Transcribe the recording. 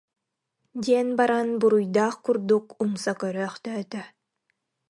диэн баран буруйдаах курдук умса көрөөхтөөтө